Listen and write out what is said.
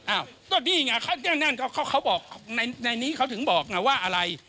อ้าวตัวนี้เขาบอกในนี้เขาถึงบอกว่าอะไร